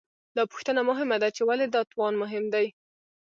دا پوښتنه مهمه ده، چې ولې دا توان مهم دی؟